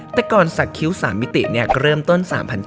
แต่ก่อนสักเคี้ยว๓มิติเนี่ยก็เริ่มต้น๓๙๐๐